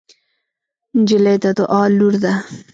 نجلۍ د دعا لور ده.